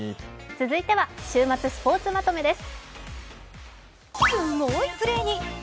続いては「週末スポーツまとめ」です。